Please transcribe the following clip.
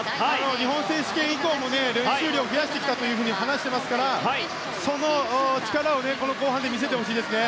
日本選手権以降も練習量を増やしてきたと話していますから、その力をこの後半で見せてほしいですね。